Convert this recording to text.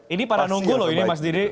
ini pada nunggu loh ini mas dede